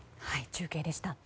中継でした。